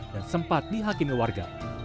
dan sempat dihakimi warga